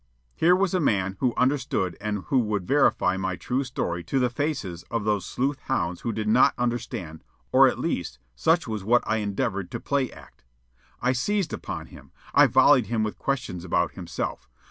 Here was a man who understood and who would verify my true story to the faces of those sleuth hounds who did not understand, or, at least, such was what I endeavored to play act. I seized upon him; I volleyed him with questions about himself.